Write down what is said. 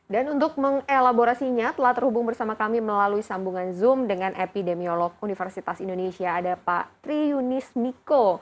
dan untuk mengelaborasinya telah terhubung bersama kami melalui sambungan zoom dengan epidemiolog universitas indonesia ada pak triunis miko